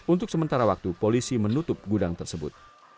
untuk sementara waktu polisi menutup gudang tersebut